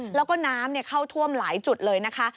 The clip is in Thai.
แล้วก็น้ำเข้าท่วมหลายจุดเลยนะคะ